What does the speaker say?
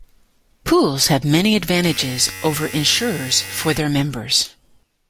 Pools have many advantages over insurers for their members.